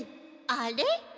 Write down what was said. あれ？